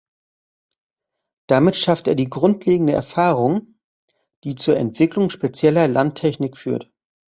Damit schafft er die grundlegende Erfahrung, die zur Entwicklung spezieller Landtechnik führt.